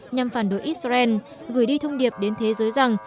nhằm phản đối israel gửi đi thông điệp đến thế giới rằng